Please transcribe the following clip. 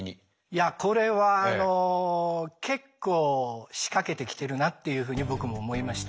いやこれはあの結構仕掛けてきてるなっていうふうに僕も思いました。